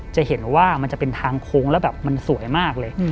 จะเห็นว่ามันจะเป็นทางโค้งแล้วแบบมันสวยมากเลย